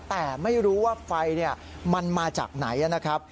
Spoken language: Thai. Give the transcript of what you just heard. แต่ไม่รู้ว่าไฟมันมาจากไหนนะครับ